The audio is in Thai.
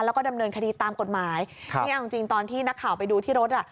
แล้วก็ดำเนินคดีตามกฎหมายครับนี่เอาจริงตอนที่นักข่าวไปดูที่รถอ่ะ